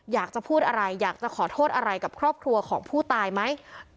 อยากจะพูดอะไรอยากจะขอโทษอะไรกับครอบครัวของผู้ตายไหม